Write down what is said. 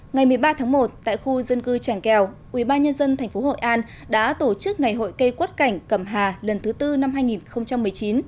ngày một mươi ba tháng một tại khu dân cư tràng kèo ubnd tp hội an đã tổ chức ngày hội cây quất cảnh cẩm hà lần thứ tư năm hai nghìn một mươi chín